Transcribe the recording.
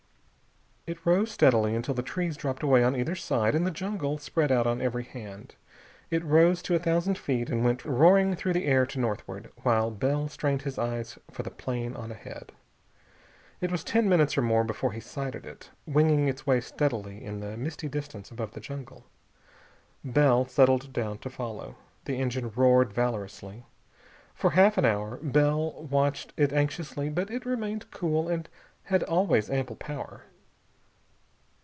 It rose steadily until the trees dropped away on either side and the jungle spread out on every hand. It rose to a thousand feet and went roaring through the air to northward, while Bell strained his eyes for the plane on ahead. It was ten minutes or more before he sighted it, winging its way steadily into the misty distance above the jungle. Bell settled down to follow. The engine roared valorously. For half an hour Bell watched it anxiously, but it remained cool and had always ample power.